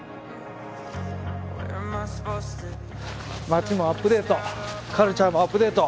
街もアップデート。